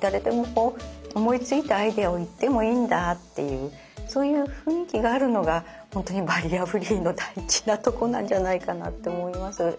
誰でも思いついたアイデアを言ってもいいんだっていうそういう雰囲気があるのが本当にバリアフリーの大事なとこなんじゃないかなって思います。